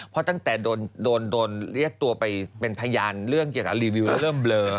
เพราะตั้งแต่โดนเรียกตัวไปเป็นพยานเรื่องเกี่ยวกับรีวิวแล้วเริ่มเบลอ